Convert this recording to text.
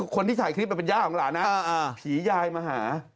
คนที่ถ่ายคลิปมันเป็นย่าของหลานนะผียายมาหา